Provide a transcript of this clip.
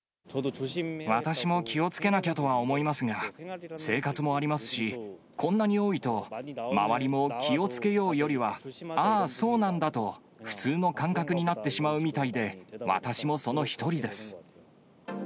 私も気をつけなきゃとは思いますが、生活もありますし、こんなに多いと、周りも気をつけようよりは、ああ、そうなんだと、普通の感覚になってしまうみたいで、私もその一人です。